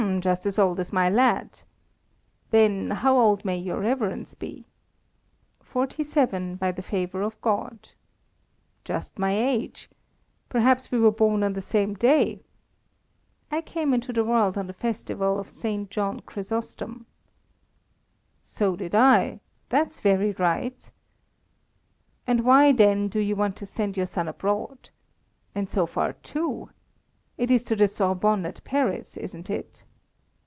"Just as old as my lad. Then, how old may your Reverence be." "Forty seven, by the favour of God." "Just my age. Perhaps we were born on the same day." "I came into the world on the festival of St. John Chrysostom." "So did I. That's very right. And why, then, do you want to send your son abroad? And so far too? It is to the Sorbonne at Paris, isn't it?"